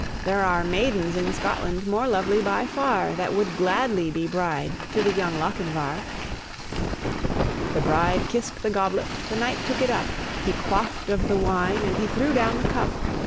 There are maidens in Scotland more lovely by far, That would gladly be bride to the young Lochinvar." The bride kissed the goblet; the knight took it up; He quaffed of the wine, and he threw down the cup.